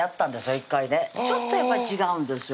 １回ねちょっとやっぱり違うんですよ